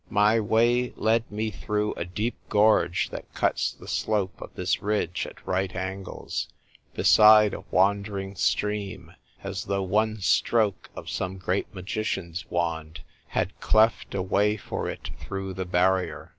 My way led me through a deep gorge that cuts the slope of this ridge at right angles, beside a wandering stream, as though one stroke of some great magician's wand had cleft a way for it through the barrier.